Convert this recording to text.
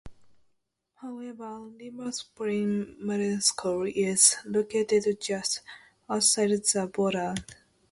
However, Lindbergh's Sperreng Middle School is located just outside the border.